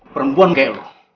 perempuan kayak lo